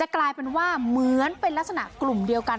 กลายเป็นว่าเหมือนเป็นลักษณะกลุ่มเดียวกัน